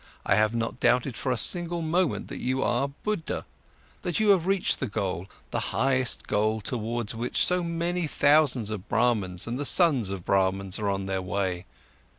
I have not doubted for a single moment that you are Buddha, that you have reached the goal, the highest goal towards which so many thousands of Brahmans and sons of Brahmans are on their way.